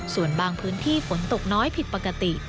ส่วนบางพื้นที่ฝนตกน้อยผิดปกติ